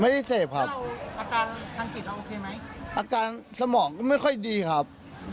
อาการสมองก็ไม่ค่อยดีครับ